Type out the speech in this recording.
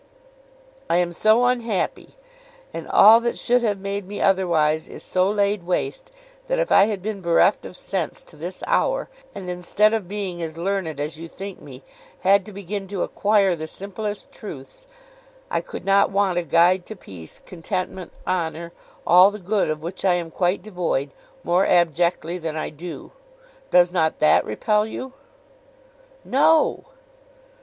'I am so unhappy, and all that should have made me otherwise is so laid waste, that if I had been bereft of sense to this hour, and instead of being as learned as you think me, had to begin to acquire the simplest truths, I could not want a guide to peace, contentment, honour, all the good of which I am quite devoid, more abjectly than I do. Does not that repel you?' 'No!